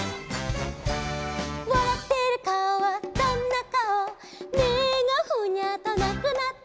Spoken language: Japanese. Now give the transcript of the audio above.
「わらってるかおはどんなかお」「目がフニャーとなくなって」